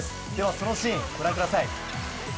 そのシーン、ご覧ください。